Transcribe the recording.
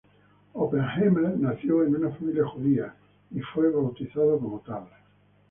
Oppenheimer nació en una familia judía y fue bautizado como tal.